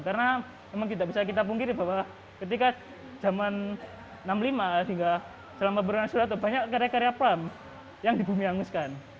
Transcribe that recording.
karena memang tidak bisa kita pungkiri bahwa ketika zaman enam puluh lima hingga selama brunei suratu banyak karya karya pram yang dibumianguskan